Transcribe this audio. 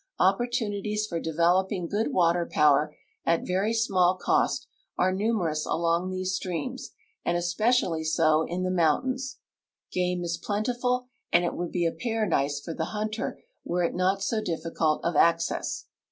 Oppor tunities for developing good water power at very small cost are numerous along these streams, and especially so in the moun tains. Game is plentiful, and .it would be a ])aradise for the hunter were it not so difficult of access.